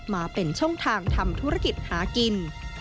มาเป็นช่องทางทำธุรกิจหากิน